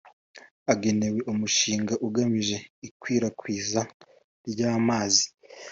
agenewe Umushinga Ugamije Ikwirakwiza ry’amazi